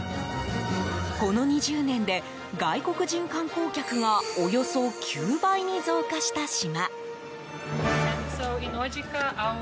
この２０年で、外国人観光客がおよそ９倍に増加した島。